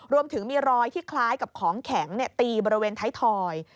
รวมถึงมีรอยที่คล้ายกับของแข็งตีบริเวณไทยทอย